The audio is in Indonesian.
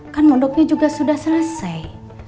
kan mondoknya juga sudah selesai